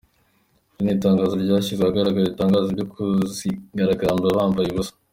Iri ni itangazo ryashyizwe ahagaragara ritangaza ibyo kuzigaragambya bambaye ubusa.